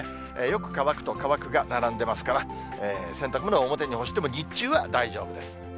よく乾くと乾くが並んでますから、洗濯物は表に干しても、日中は大丈夫です。